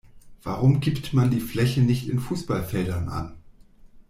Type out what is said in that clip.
Warum gibt man die Fläche nicht in Fußballfeldern an?